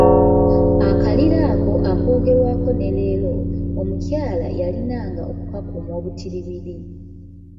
Akalira ako akoogerwako ne leero, omukyala yalinanga okukakuuma obutibiri.